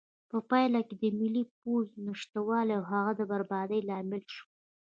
په پایله کې د ملي پوځ نشتوالی د هغه د بربادۍ لامل شو.